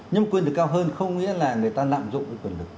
nhưng mà quyền lực cao hơn không nghĩa là người ta lạm dụng quyền lực